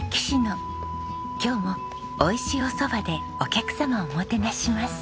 今日も美味しいお蕎麦でお客様をもてなします。